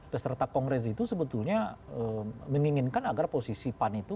peserta kongres itu sebetulnya menginginkan agar posisi pan itu